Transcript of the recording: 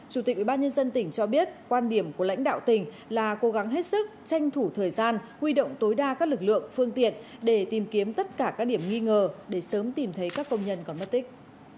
chủ tịch ubnd tỉnh cho biết quan điểm của lãnh đạo tỉnh là cố gắng hết sức tranh thủ thời gian huy động tối đa các lực lượng phương tiện để tìm kiếm tất cả các điểm nghi ngờ để sớm tìm thấy các công nhân còn mất tích